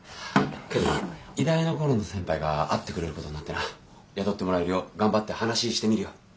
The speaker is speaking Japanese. けどな医大の頃の先輩が会ってくれることになってな。雇ってもらえるよう頑張って話してみるよ。